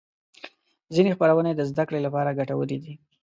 ځینې خپرونې د زدهکړې لپاره ګټورې دي.